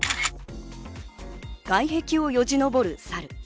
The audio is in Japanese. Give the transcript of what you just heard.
外壁をよじ登るサル。